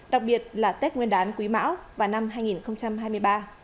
đặc biệt là tết nguyên đán quý mão và năm hai nghìn hai mươi ba